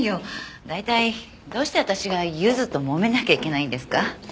大体どうして私がゆずともめなきゃいけないんですか？